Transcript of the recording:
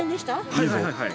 はいはいはいはい。